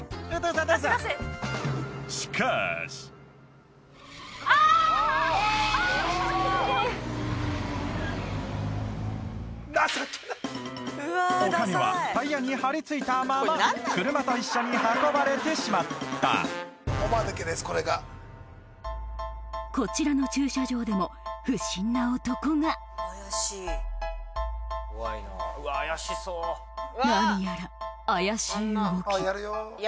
しかーしお金はタイヤにはりついたまま車と一緒に運ばれてしまったこちらの駐車場でも不審な男が何やら怪しい動き